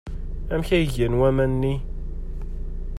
Amek ay gan waman-nni?